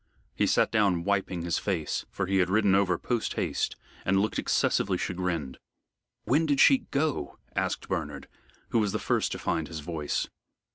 He sat down wiping his face for he had ridden over post haste and looked excessively chagrined. "When did she go?" asked Bernard, who was the first to find his voice.